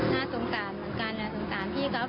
น่าสงสารเหมือนกันนะสงสารพี่เขา